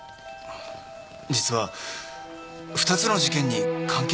実は２つの事件に関係しているんです。